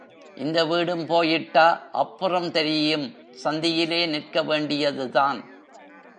இந்த வீடும் போயிட்டா அப்புறம் தெரியும் சந்தியிலே நிற்கவேண்டியதுதான்.